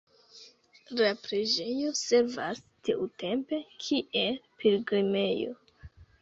La preĝejo servas tiutempe kiel pilgrimejo.